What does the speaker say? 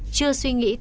chưa suy nghĩ